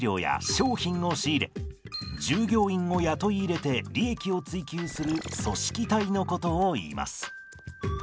商品を仕入れ従業員を雇い入れて利益を追求する組織体のことをいいます。